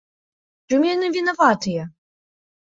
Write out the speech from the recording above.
У чым яны вінаватыя?